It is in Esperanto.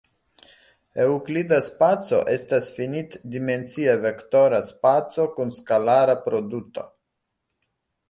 Eŭklida spaco estas finit-dimensia vektora spaco kun skalara produto.